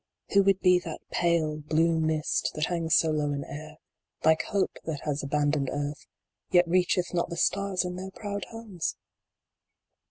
Who would be that pale, MY HERITAGE 19 Blue mist, that hangs so low in air, like Hope That has abandoned earth, yet reacheth Not the stars in their proud homes